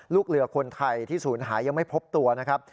ลูกเรือคนไทยที่ศูนย์หายังไม่พบตัวนะครับ